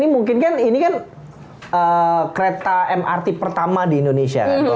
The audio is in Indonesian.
mungkin kan ini kan kereta mrt pertama di indonesia